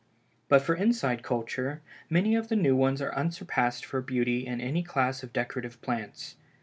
But for inside culture, many of the new ones are unsurpassed for beauty in any class of decorative plants.